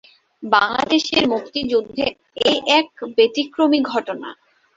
বাংলাদেশের মুক্তিযুদ্ধে এ এক ব্যতিক্রমী ঘটনা।